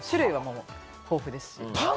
種類が豊富ですし。